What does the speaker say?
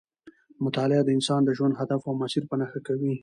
مطالعه د انسان د ژوند هدف او مسیر په نښه کوي.